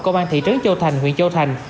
công an thị trấn châu thành huyền châu thành